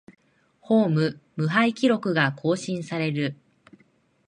ホーム無敗記録が更新される